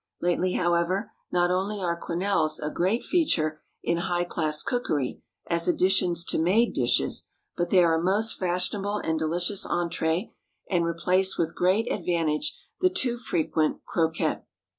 Lately, however, not only are quenelles a great feature in high class cookery as additions to made dishes, but they are a most fashionable and delicious entrée, and replace with great advantage the too frequent croquette.